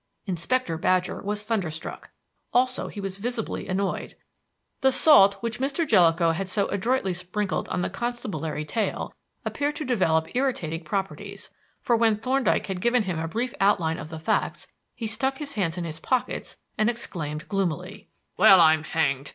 Inspector Badger was thunderstruck. Also he was visibly annoyed. The salt which Mr. Jellicoe had so adroitly sprinkled on the constabulary tail appeared to develop irritating properties, for when Thorndyke had given him a brief outline of the facts he stuck his hands in his pockets and exclaimed gloomily: "Well, I'm hanged!